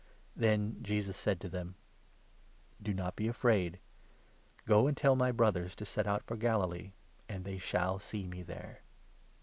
Then Jesus said to them :," Do not be afraid ; go and tell my brothers to set out for 10 Galilee, and they shall see me there."